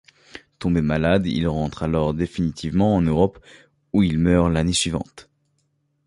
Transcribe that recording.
Tombé malade, il rentre alors définitivement en Europe où il meurt l'année suivante.